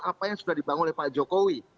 apa yang sudah dibangun oleh pak jokowi